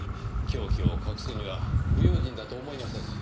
凶器を隠すには不用心だと思いませんか？